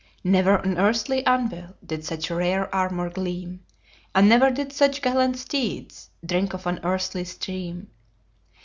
Never on earthly anvil Did such rare armor gleam, And never did such gallant steeds Drink of an earthly stream.